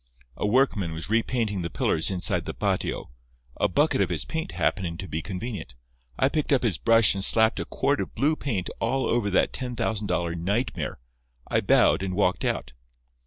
A workman was repainting the pillars inside the patio. A bucket of his paint happened to be convenient. I picked up his brush and slapped a quart of blue paint all over that ten thousand dollar nightmare. I bowed, and walked out.